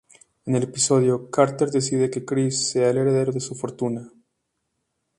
En el episodio, Carter decide que Chris sea el heredero de su fortuna.